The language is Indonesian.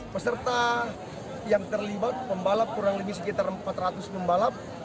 peserta yang terlibat pembalap kurang lebih sekitar empat ratus pembalap